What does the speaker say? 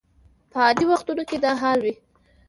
په عادي وختونو کې دا حال وي.